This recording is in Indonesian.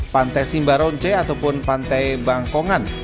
pantai simbaronce ataupun pantai bangkongan